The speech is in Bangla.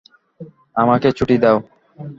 আমাকে ছুটি দাও।